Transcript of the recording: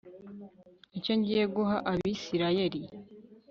icyo ngiye guha Abisirayeli